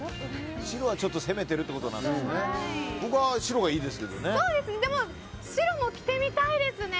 白はちょっと攻めてるってことなんですね。